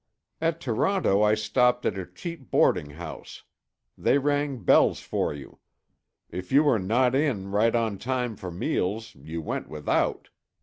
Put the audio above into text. "At Toronto I stopped at a cheap boarding house. They rang bells for you. If you were not in right on time for meals, you went without.